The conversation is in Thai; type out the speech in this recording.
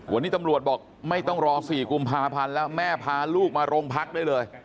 วันนี้ตำรวจบอกไม่ต้องรอ๔กุมภาพันธ์แล้วแม่พาลูกมาโรงพักได้เลย